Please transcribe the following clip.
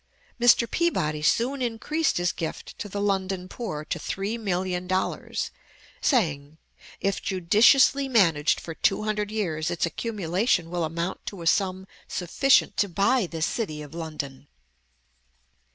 Mr. Peabody soon increased his gift to the London poor to three million dollars, saying, "If judiciously managed for two hundred years, its accumulation will amount to a sum sufficient to buy the city of London."